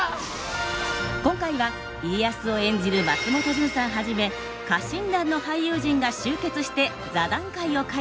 今回は家康を演じる松本潤さんはじめ家臣団の俳優陣が集結して座談会を開催！